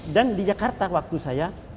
di jakarta waktu saya